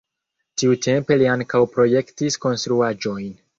Tiutempe li ankaŭ projektis konstruaĵojn.